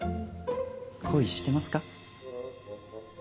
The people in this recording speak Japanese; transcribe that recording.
恋してますか？